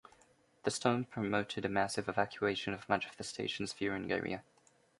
The storm prompted a massive evacuation of much of the station's viewing area.